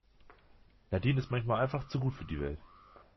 Nadine ist manchmal einfach zu gut für die Welt.